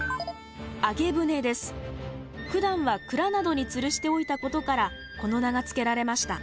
ふだんは蔵などにつるしておいたことからこの名が付けられました。